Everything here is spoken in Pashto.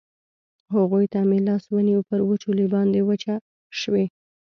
هغوی ته مې لاس ونیو، پر وچولې باندې وچه شوې.